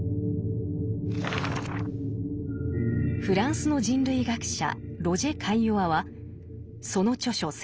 フランスの人類学者ロジェ・カイヨワはその著書